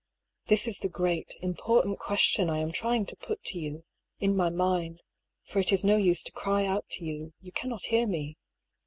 This is the great, important question I am trying to put to you — in my mind — for it is no use to cry out to you, you cannot hear me.